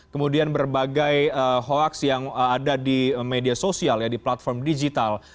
kemudian berbagai hoaks yang ada di media sosial ya di platform digital